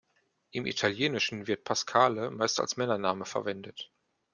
Im Italienischen wird Pascale meist als Männername verwendet.